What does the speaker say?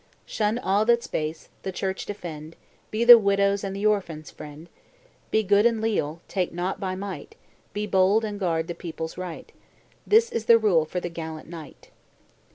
Shun all that's base; the Church defend; Be the widow's and the orphan's friend; Be good and Leal; take nought by might; Be bold and guard the people's right; This is the rule for the gallant knight.